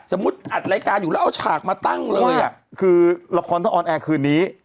อัดรายการอยู่แล้วเอาฉากมาตั้งเลยอ่ะคือละครต้องออนแอร์คืนนี้